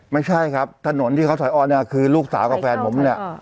ไม่ใช่ครับถนนที่เขาถอยอ้อนเนี่ยคือลูกสาวกับแฟนผมเนี่ย